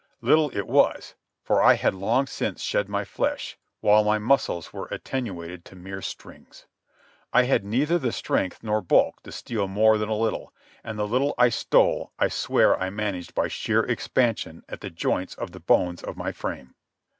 Little it was, for I had long since shed my flesh, while my muscles were attenuated to mere strings. I had neither the strength nor bulk to steal more than a little, and the little I stole I swear I managed by sheer expansion at the joints of the bones of my frame.